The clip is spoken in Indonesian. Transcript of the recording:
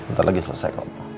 sebentar lagi selesai